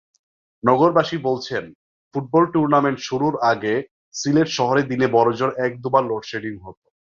নগরবাসী বলছেন, football tournament শুরুর আগে সিলেট শহরে দিনে বড়জোর এক-দুবার লোডশেডিং হতো।